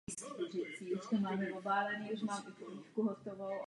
Na Nové Guineji žije mnoho zajímavých živočichů.